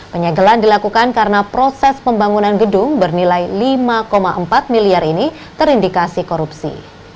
penyegelan dilakukan karena proses pembangunan gedung bernilai lima empat miliar ini terindikasi korupsi